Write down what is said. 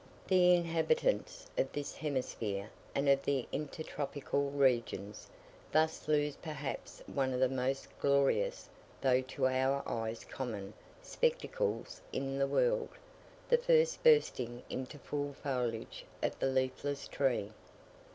The inhabitants of this hemisphere, and of the intertropical regions, thus lose perhaps one of the most glorious, though to our eyes common, spectacles in the world the first bursting into full foliage of the leafless tree.